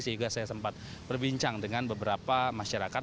sehingga saya sempat berbincang dengan beberapa masyarakat